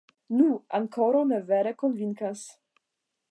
Nu, ankoraŭ ne vere konvinkas.